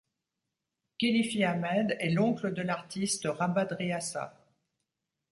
Khelifi Ahmed est l'oncle de l'artiste Rabah Driassa.